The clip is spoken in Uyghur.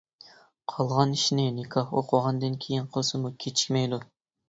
قالغان ئىشنى نىكاھ ئوقۇغاندىن كېيىن قىلسىمۇ كېچىكمەيدۇ.